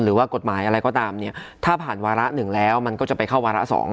หรือว่ากฎหมายอะไรก็ตามเนี่ยถ้าผ่านวาระหนึ่งแล้วมันก็จะไปเข้าวาระ๒